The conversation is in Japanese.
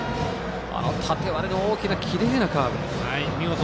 縦に割れる大きなきれいなカーブ。